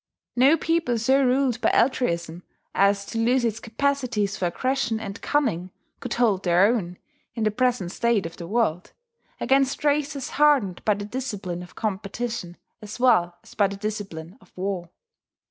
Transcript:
No people so ruled by altruism as to lose its capacities for aggression and cunning could hold their own, in the present state of the world, against races hardened by the discipline of competition as well as by the discipline of war.